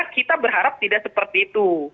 kita berharap tidak seperti itu